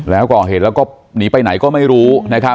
แล้วก่อเหตุแล้วก็หนีไปไหนก็ไม่รู้นะครับ